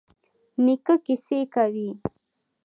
نیکه کیسې کوي.